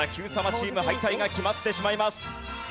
チーム敗退が決まってしまいます。